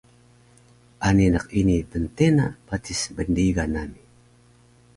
Ani naq ini pntena patis bnrigan nami